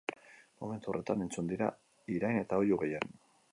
Momentu horretan entzun dira irain eta oihu gehien.